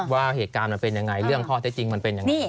ว่าเหตุการณ์มันเป็นยังไงเรื่องข้อเท็จจริงมันเป็นยังไง